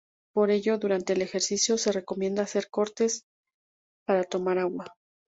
Por ello, durante el ejercicio, se recomienda hacer cortes para tomar agua.